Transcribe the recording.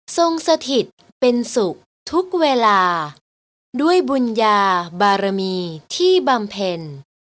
สถิตเป็นสุขทุกเวลาด้วยบุญญาบารมีที่บำเพ็ญ